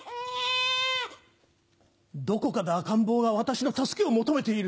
どこかで赤ん坊が私の助けを求めている。